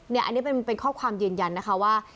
อันนี้เป็นข้อความยืนยันนะคะว่า